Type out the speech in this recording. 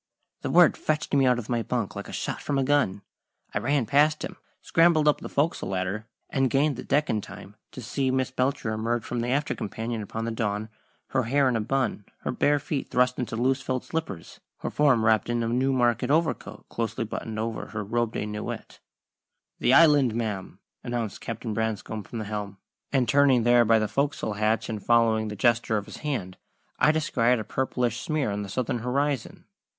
The word fetched me out of my bunk like a shot from a gun. I ran past him, scrambled up the fo'c's'le ladder, and gained the deck in time to see Miss Belcher emerge from the after companion upon the dawn, her hair in a "bun," her bare feet thrust into loose felt slippers, her form wrapped in a Newmarket overcoat closely buttoned over her robe de nuit. "The Island, ma'am!" announced Captain Branscome from the helm; and, turning there by the fo'c's'le hatch and following the gesture of his hand, I descried a purplish smear on the southern horizon.